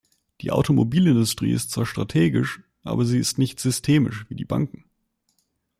Die Automobilindustrie ist zwar strategisch, aber sie ist nicht systemisch wie die Banken.